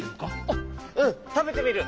あっうんたべてみる。